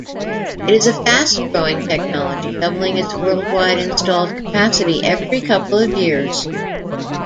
It is a fast-growing technology doubling its worldwide installed capacity every couple of years.